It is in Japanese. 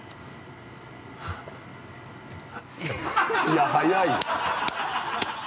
いや早いよ。